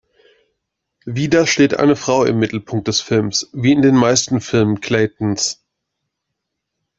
Wieder steht eine Frau im Mittelpunkt des Films, wie in den meisten Filmen Claytons.